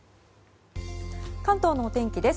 関東のお天気です。